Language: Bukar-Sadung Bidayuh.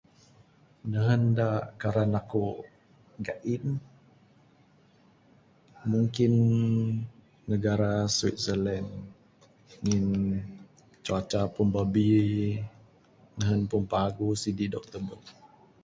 Nehen da karan aku gain mungkin negara Switzerland ngin cuaca pun babbi nehen pun paguh sidi dog tubek.